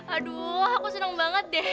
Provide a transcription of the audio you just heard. aduh aku seneng banget deh